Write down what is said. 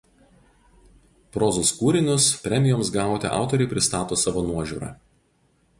Prozos kūrinius premijoms gauti autoriai pristato savo nuožiūra.